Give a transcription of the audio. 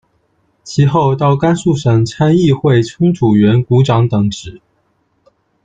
其后到甘肃省参议会充组员、股长等职。